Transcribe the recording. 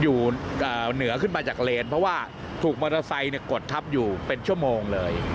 อยู่เหนือขึ้นมาจากเลนเพราะว่าถูกมอเตอร์ไซค์กดทับอยู่เป็นชั่วโมงเลย